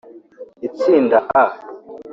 Itsinda A